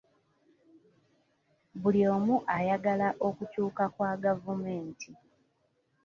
Buli omu ayagala okukyuka kwa gavumenti.